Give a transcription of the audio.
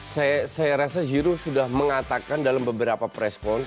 saya rasa giroud sudah mengatakan dalam beberapa press conference